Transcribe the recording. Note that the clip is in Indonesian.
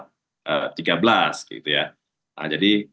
nah jadi kita ketahui